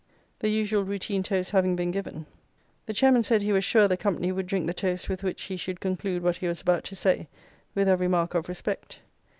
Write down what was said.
"The usual routine toasts having been given, "The Chairman said he was sure the company would drink the toast with which he should conclude what he was about to say, with every mark of respect.